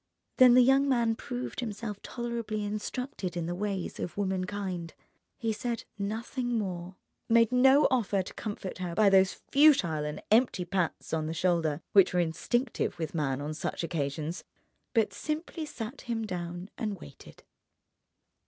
Then the young man proved himself tolerably instructed in the ways of womankind. He said nothing more, made no offer to comfort her by those futile and empty pats on the shoulder which are instinctive with man on such occasions, but simply sat him down and waited.